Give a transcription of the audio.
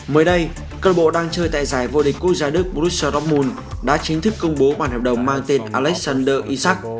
mới đây cơ bộ đang chơi tại giải vô địch quốc gia đức borussia dortmund đã chính thức công bố bản hợp đồng mang tên alexander isaac